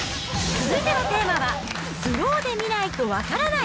続いてのテーマは、スローで見ないと分からない